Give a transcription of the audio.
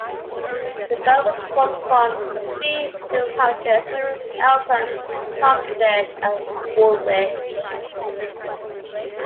The borough was formed from three civil parishes: Eltham, Plumstead and Woolwich.